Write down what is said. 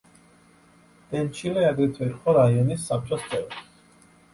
დენჩილე აგრეთვე იყო რაიონის საბჭოს წევრი.